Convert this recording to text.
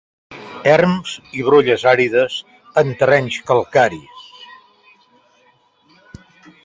Erms i brolles àrides en terrenys calcaris.